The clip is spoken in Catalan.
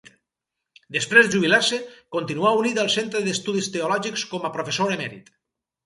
Després de jubilar-se, continuà unit al Centre d'Estudis Teològics com a professor emèrit.